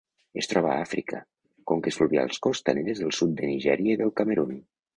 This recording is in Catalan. Es troba a Àfrica: conques fluvials costaneres del sud de Nigèria i del Camerun.